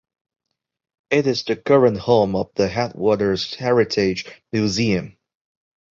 It is the current home of the Headwaters Heritage Museum.